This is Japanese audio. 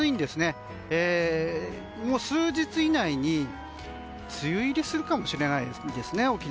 沖縄は数日以内に梅雨入りするかもしれないですね。